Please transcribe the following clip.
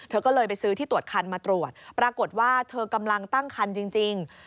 เธอก็เลยไปซื้อที่ตรวจคันมาตรวจปรากฏว่าเธอกำลังตั้งคันจริง